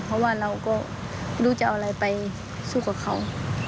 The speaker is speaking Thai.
เพราะว่าเราก็ไม่รู้จะเอาอะไรไปสู้กับเขา